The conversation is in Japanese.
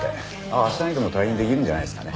明日にでも退院できるんじゃないですかね。